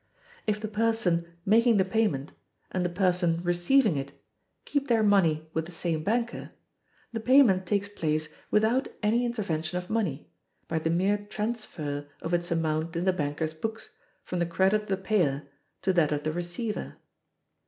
If the person making the payment and the person receiving it keep their money with the same banker, the payment takes place without any intervention of money, by the mere transfer of its amount in the banker's books from the credit of the payer to that of the receiver.